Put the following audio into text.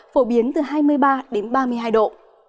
phổ biến từ hai mươi ba đến ba mươi hai độ